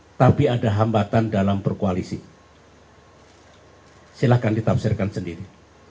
hai tapi ada hambatan dalam berkoalisi silahkan ditafsirkan sendiri